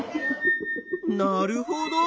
なるほど。